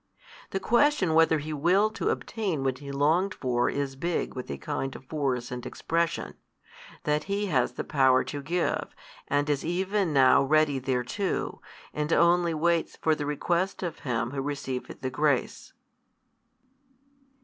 The question whether he willed to obtain what he longed for is big with a kind of force and expression, that He has the power to give, and is even now ready thereto, and only waits for the request of him who receiveth the grace.